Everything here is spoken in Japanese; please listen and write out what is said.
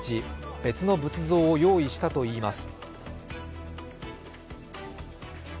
別の仏像を用意したといいます。